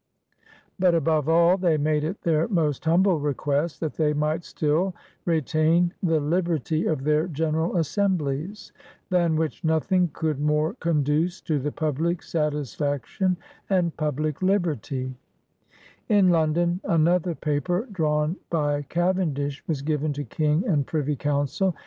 ••. But above all they made it their most hiunble request that they might still retain the liberty of their General Assemblies; than which nothing could qiore conduce to the publick Satisfaction and publick Liberty/* In London another paper, drawn by Cavendish, was given to King and Privy Council.